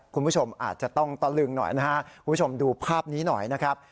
คุณผู้ชมอาจจะต้องตะลึงหน่อยนะครับคุณผู้ชมดูภาพนี้หน่อยนะครับ